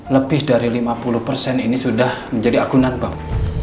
lebih dari lima puluh persen ini sudah menjadi agunan bank